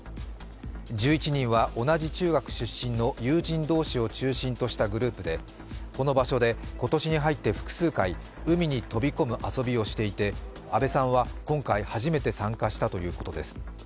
１１人は同じ中学出身の友人同士を中心としたグループでこの場所で今年に入って複数回、海に飛び込む遊びをしていて阿部さんは今回、初めて参加したということです。